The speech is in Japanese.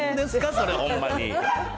それ、ほんまに。